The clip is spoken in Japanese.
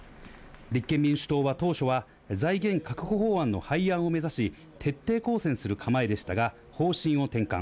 立憲民主党は、当初は、財源確保法案の廃案を目指し、徹底抗戦する構えでしたが、方針を転換。